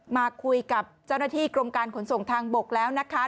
มาคุยกับเจ้าหน้าที่กรมการขนส่งทางบกแล้วนะคะ